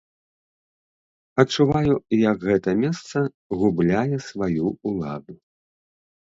Адчуваю, як гэта месца губляе сваю ўладу.